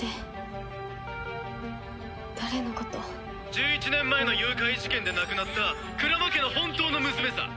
「１１年前の誘拐事件で亡くなった鞍馬家の本当の娘さ」